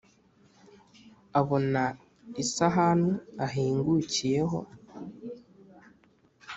Abona isahanu ahingukiyeho,